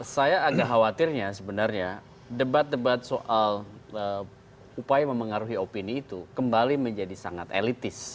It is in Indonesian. saya agak khawatirnya sebenarnya debat debat soal upaya memengaruhi opini itu kembali menjadi sangat elitis